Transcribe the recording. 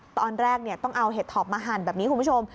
ตอนแรกต้องเอาเห็ดถอบมาหั่นแบบนี้คุณผู้ชม